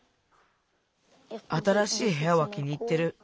新しいへやは気に入ってる。